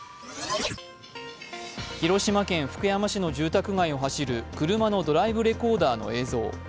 広島県福山市の住宅街を走る車のドライブレコーダーの映像。